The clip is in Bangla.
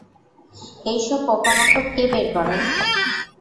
এই সব পোকামাকড় কে, বের করেন।